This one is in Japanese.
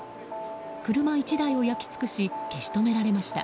車１台を焼き尽くし消し止められました。